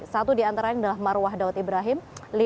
satu di antara yang adalah marwah daud ibrahim